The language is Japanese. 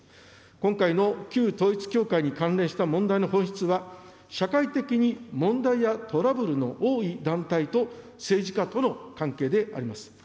今回の旧統一教会に関連した問題の本質は、社会的に問題やトラブルの多い団体と、政治家との関係であります。